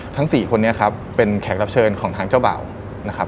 สี่คนนี้ครับเป็นแขกรับเชิญของทางเจ้าบ่าวนะครับ